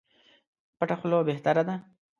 پټه خوله بهتره ده.